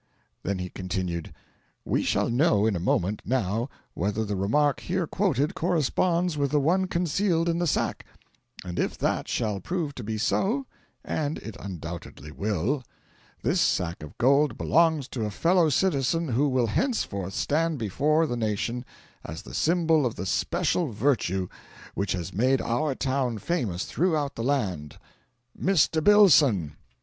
Then he continued: 'We shall know in a moment now whether the remark here quoted corresponds with the one concealed in the sack; and if that shall prove to be so and it undoubtedly will this sack of gold belongs to a fellow citizen who will henceforth stand before the nation as the symbol of the special virtue which has made our town famous throughout the land Mr. Billson!'"